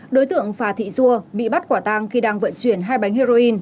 đối tượng phà thị dua bị bắt quả tang khi đang vận chuyển hai bánh heroin